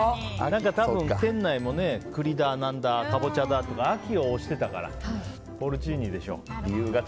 多分店内も、栗だ何だカボチャだとか秋を推してたからポルチーニでしょう。